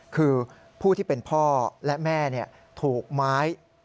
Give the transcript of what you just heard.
คือผู้ที่เป็นพ่อและแม่ถูกไม้